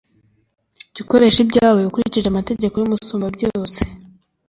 Jya ukoresha ibyawe ukurikije amategeko y’Umusumbabyose,